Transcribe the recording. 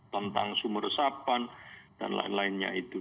tentang sumur resapan dan lain lainnya itu